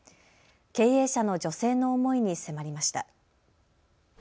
経営者の女性の思いに迫りました。